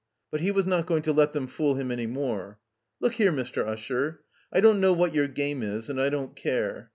But he was not going to let them fool him any more. "Look here, Mr. Usher, I don't know what your game is and I don't care.